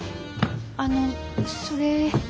あのそれ。